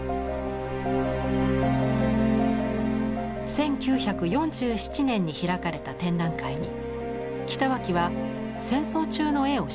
１９４７年に開かれた展覧会に北脇は戦争中の絵を出品。